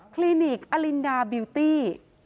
คลินิกอลินดาบิวตี้